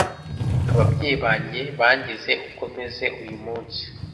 Ababyeyi banjye bangize uko meze uyu munsi.